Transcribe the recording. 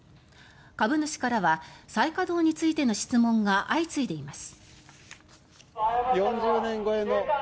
株主からは再稼働についての質問が相次いでいます。